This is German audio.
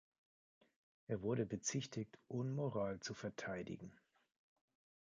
Er wurde bezichtigt, Unmoral zu verteidigen.